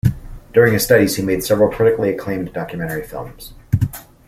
During his studies he made several critically acclaimed documentary films.